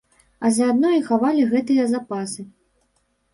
А заадно і хавалі гэтыя запасы.